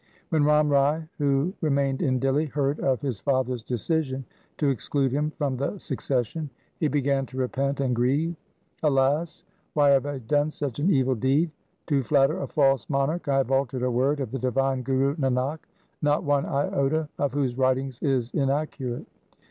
2 When Ram Rai, who remained in Dihli, heard of his father's decision to exclude him from the succes sion, he began to repent and grieve :—' Alas ! why have I done such an evil deed? To flatter a false monarch I have altered a word of the divine Guru Nanak, not one iota of whose writings is inaccurate.'